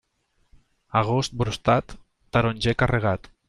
Agost brostat, taronger carregat.